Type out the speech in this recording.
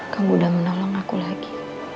kamu udah menolong aku lagi